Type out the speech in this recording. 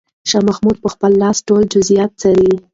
شاه محمود په خپله لاس ټول جزئیات څاري.